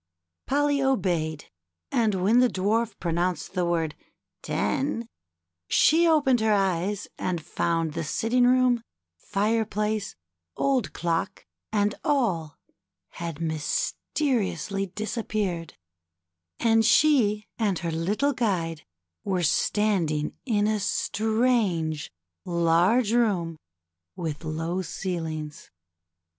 Polly obeyed, and Avhen the Dwarf pronounced the word " ten !" she opened her eyes and found that the sitting room, fireplace, old clock, and all had mysteri ously disappeared, and she and her little guide were standing in a strange, large room with low ceilings.